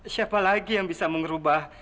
siapa lagi yang bisa merubah